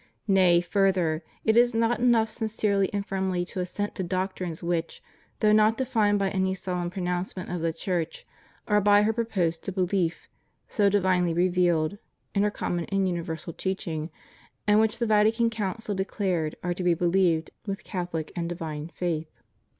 Nay, further, it is not enough sincerely and firmly to assent to doctrines which, though not defined by any solemn pro nouncement of the Church, are by her proposed to belief, as divinely revealed, in her common and universal teaching, and which the Vatican Council declared are to be believed toith Catholic and divine faith.